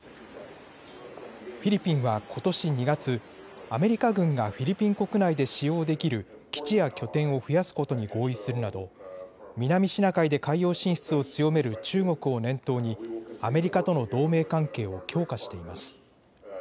フィリピンはことし２月、アメリカ軍がフィリピン国内で使用できる基地や拠点を増やすことに合意するなど南シナ海で海洋進出を強める中国を念頭にアメリカとの同盟関係を強化しています。